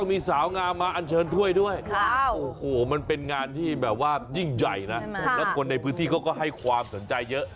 มันเป็นงานที่แบบว่ายิ่งใหญ่นะและคนในพื้นที่เขาก็ให้ความสนใจเยอะ